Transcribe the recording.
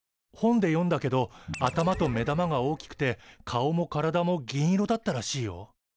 本で読んだけど頭と目玉が大きくて顔も体も銀色だったらしいよ。